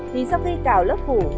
thì sau khi cào lớp phủ